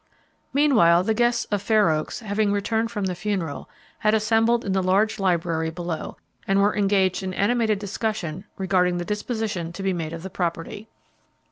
Meanwhile, the guests of Fair Oaks, having returned from the funeral, had assembled in the large library below, and were engaged in animated discussion regarding the disposition to be made of the property.